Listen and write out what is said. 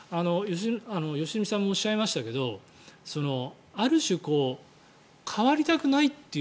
良純さんもおっしゃいましたけどある種、変わりたくないという。